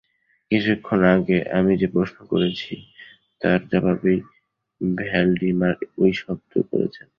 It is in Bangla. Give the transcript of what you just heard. কিছুক্ষণ আগে আমি যে প্রশ্ন করেছি, তার জবাবেই ভ্যালডিমার ওই শব্দ করছেন।